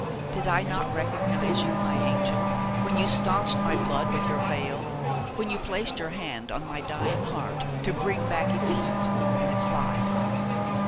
Did I not recognize you, my angel, when you stanched my blood with your veil, when you placed your hand on my dying heart to bring back its heat and its life?